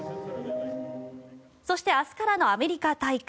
そして明日からのアメリカ大会。